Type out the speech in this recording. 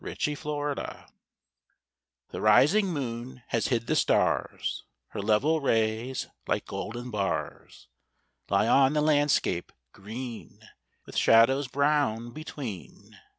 20 48 ENDMYION ENDYMION The rising moon has hid the stars ; Her level rays, like golden bars, Lie on the landscape green, With shadows brown between.